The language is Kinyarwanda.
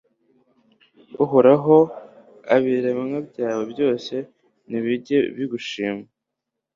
Uhoraho ibiremwa byawe byose nibijye bigushima